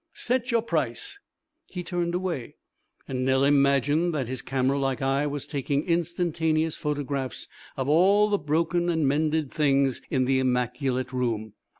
"Set your price." He turned away, and Nell imagined that his camera like eye was taking instantaneous photographs of all the broken and mended things in the immaculate room.